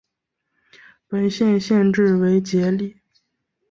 本县县治为杰里。